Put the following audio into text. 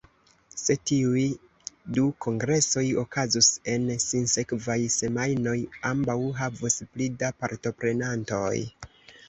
Se tiuj du kongresoj okazus en sinsekvaj semajnoj, ambaŭ havus pli da partoprenantoj.